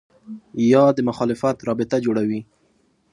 یا د مخالفت رابطه جوړوي